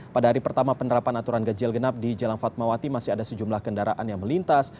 pada hari pertama penerapan aturan ganjil genap di jalan fatmawati masih ada sejumlah kendaraan yang melintas